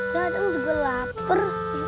tuh aku juga lapar